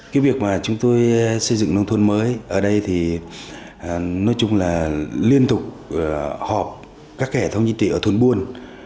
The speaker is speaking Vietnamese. cái việc mà chúng tôi xây dựng đông thôn mới ở đây thì nói chung là liên tục họp các hệ thống dân tị ở thôn buôn